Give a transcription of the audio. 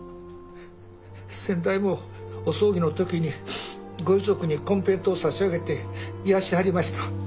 先代もお葬儀のときにご遺族にコンペイトー差し上げて癒やしてはりました。